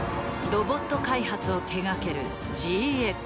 ロボット開発を手がけるＧＸ。